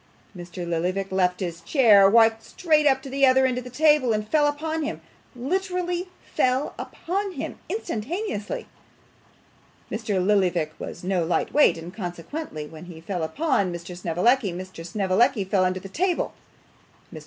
Mr. Lillyvick left his chair, walked straight up to the other end of the table, and fell upon him literally fell upon him instantaneously. Mr. Lillyvick was no light weight, and consequently when he fell upon Mr. Snevellicci, Mr. Snevellicci fell under the table. Mr.